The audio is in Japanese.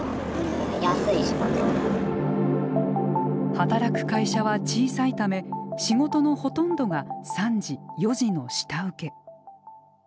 働く会社は小さいため仕事のほとんどが３次４次の下請け。